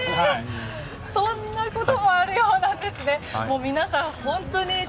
そんなこともあるようなんですね。